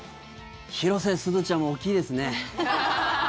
広瀬すずちゃんも大きいですね。